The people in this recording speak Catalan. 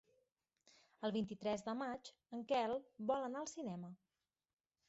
El vint-i-tres de maig en Quel vol anar al cinema.